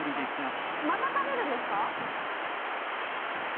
えっまた食べるんですか？